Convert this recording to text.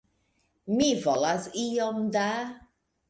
Mi volas iom da!